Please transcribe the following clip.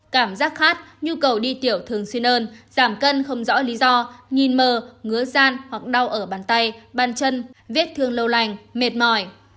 cảm giác khát nhu cầu đi tiểu thường xuyên hơn giảm cân không rõ lý do nhìn mờ ngứa dan hoặc đau ở bàn tay ban chân viết thương lâu lành mệt mỏi